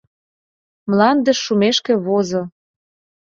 Мландыш шумешке возо.